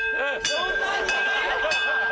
そんなに？